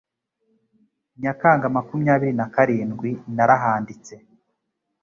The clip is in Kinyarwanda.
Nyakanga makumyabiri na karindwi narahanditse